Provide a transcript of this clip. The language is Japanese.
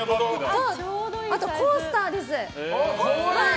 あとコースターです。